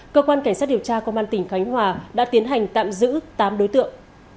cơ quan cảnh sát điều tra công an tỉnh khánh hòa đã tiến hành tạm giữ tám đối tượng